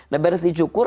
nah beres dicukur